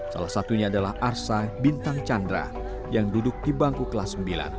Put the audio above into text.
salah satunya adalah arsa bintang chandra yang duduk di bangku kelas sembilan